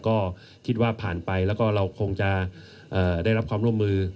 ก็คิดว่าผ่านไปแล้วก็เราคงจะได้รับความร่วมมือ